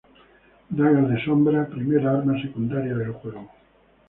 Dagas de sombra: Primera arma secundaria del juego.